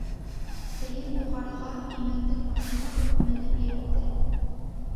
Тейен юғарыға, имәндең башына уҡ, менеп етте.